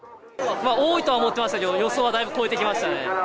多いとは思ってましたけど、予想はだいぶ超えてきましたね。